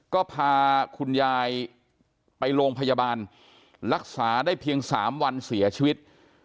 ก็พาคุณยายไปโรงพยาบาลรักษาได้เพียง๓วันเสียชีวิต